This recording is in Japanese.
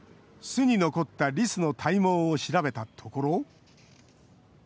巣に残ったリスの体毛を調べたところ。